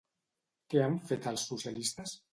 Què han fet els socialistes?